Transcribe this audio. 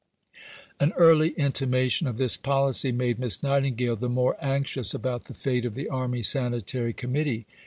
An early intimation of this policy made Miss Nightingale the more anxious about the fate of the Army Sanitary Committee.